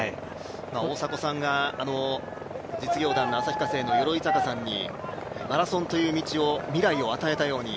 大迫さんが実業団の旭化成の選手のようにマラソンという道を未来を与えたように